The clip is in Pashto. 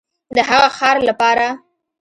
د هغه ښار لپاره